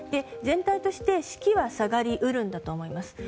全体として、士気は下がり得るんだと思います。